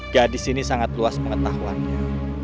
gadis ini sangat luas pengetahuannya